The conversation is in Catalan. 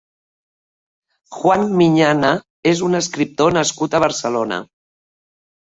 Juan Miñana és un escriptor nascut a Barcelona.